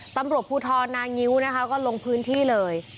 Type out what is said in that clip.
ตำรวจภูทรนางิ้วนะคะก็ลงพื้นที่เลย